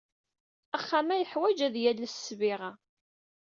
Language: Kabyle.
Axxam-a yeḥwaj ad yales ssbiɣa.